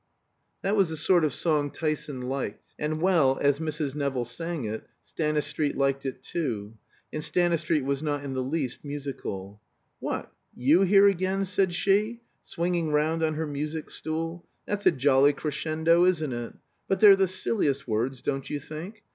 That was the sort of song Tyson liked; and well, as Mrs. Nevill sang it, Stanistreet liked it too. And Stanistreet was not in the least musical. "What you here again?" said she, swinging round on her music stool. "That's a jolly crescendo, isn't it? But they're the silliest words, don't you think?